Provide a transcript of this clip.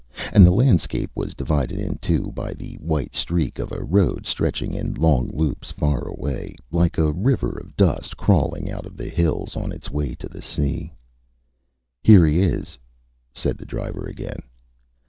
And the landscape was divided in two by the white streak of a road stretching in long loops far away, like a river of dust crawling out of the hills on its way to the sea. ÂHere he is,Â said the driver, again.